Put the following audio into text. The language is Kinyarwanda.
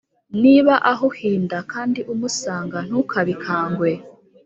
Niba ahuhinda kandi umusanga ntukabikangwe